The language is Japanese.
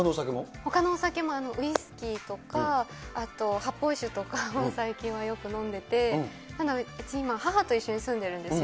ほかのお酒も、ウイスキーとか、発泡酒とかを最近はよく飲んでて、今うち、母と一緒に住んでるんですよ。